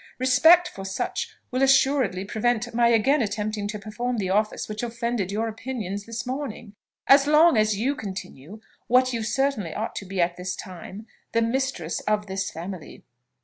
Respect for such will assuredly prevent my again attempting to perform the office which offended your opinions this morning, as long as you continue, what you certainly ought to be at this time, the mistress of this family.